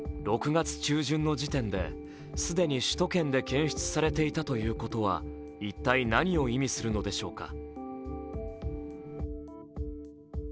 ６月中旬の時点で、既に首都圏で検出されていたということは一体、何を意味するのでしょうか？